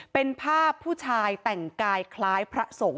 เป็นภาพผู้ชายแต่งกายคล้ายพระสงฆ์